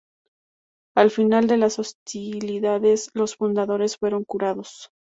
Al final de las hostilidades, los Fundadores fueron curados.